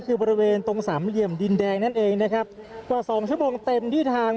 คือบริเวณตรงสามเหลี่ยมดินแดงนั่นเองนะครับกว่าสองชั่วโมงเต็มที่ทาง